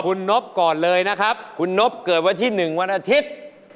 คุณนบก่อนเลยนะครับคุณนบเกิดวันที่๑วันอาทิตย์